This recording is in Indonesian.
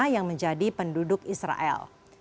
yang menjadi penduduk israel